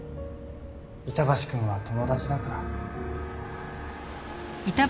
板橋くんは友達だから。